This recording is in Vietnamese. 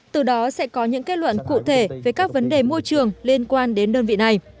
từ đó sẽ có những kết luận cụ thể về các vấn đề môi trường liên quan đến đơn vị này